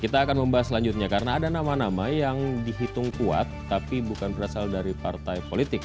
kita akan membahas selanjutnya karena ada nama nama yang dihitung kuat tapi bukan berasal dari partai politik